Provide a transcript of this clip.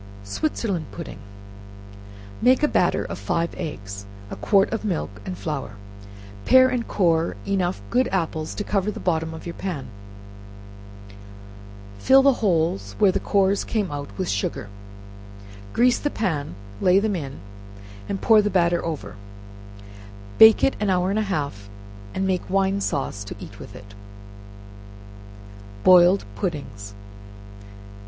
Switzerland Pudding. Make a hatter of five eggs, a quart of milk and flour; pare and core enough good apples to cover the bottom of your pan, fill the holes where the cores came out with sugar, grease the pan, lay them in, and pour the batter over, bake it an hour and a half, and make wine sauce to eat with it. Boiling Puddings.